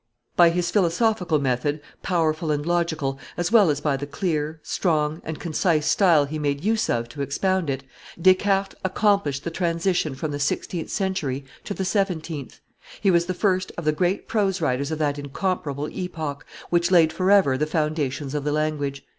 By his philosophical method, powerful and logical, as well as by the clear, strong, and concise style he made use of to expound it, Descartes accomplished the transition from the sixteenth century to the seventeeth; he was the first of the great prose writers of that incomparable epoch, which laid forever the foundations of the language.